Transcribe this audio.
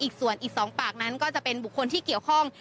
อีกส่วนอีก๒ปากนั้นก็จะเป็นบุคคลที่เกี่ยวข้อง